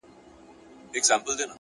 نظم د بریالیتوب خاموش انجن دی!.